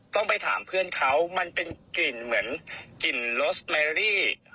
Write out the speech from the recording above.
ต้องไปถามเพื่อนเขามันเป็นกลิ่นเหมือนกลิ่นรสแมรี่